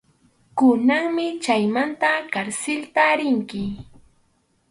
Kunanmi chaymanta karsilta rinki.